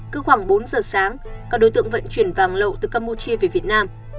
cứ khoảng bốn giờ sáng các đối tượng vận chuyển vàng lậu từ campuchia về việt nam